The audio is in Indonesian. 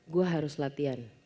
gue harus latihan